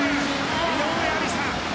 井上愛里沙！